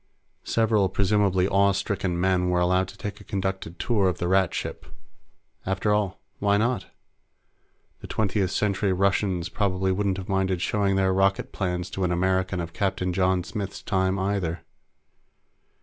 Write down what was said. Several presumably awe stricken men were allowed to take a conducted tour of the Rat ship. After all, why not? The Twentieth Century Russians probably wouldn't have minded showing their rocket plants to an American of Captain John Smith's time, either.